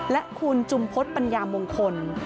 และคุณจุมพฤษปัญญามงคล